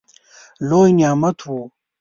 لوی نعمت وو.